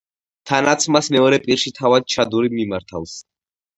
თანაც მას მეორე პირში თავად შადური მიმართავს.